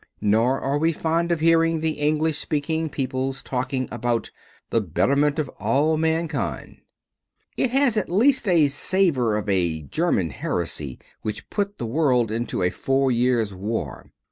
Nor are we fond of hearing the English speaking peoples talking about "the betterment of all mankind." It has at least a savor of a German heresy which put the world into a four years' war.